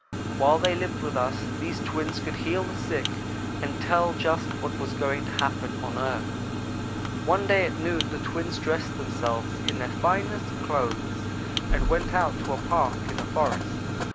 While they lived with us, these twins could heal the sick and tell just what was going to happen on earth. "One day at noon the twins dressed themselves in their finest clothes and went out to a park in the forest.